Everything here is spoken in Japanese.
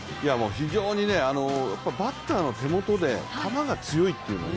非常にバッターの手元で球が強いというのが。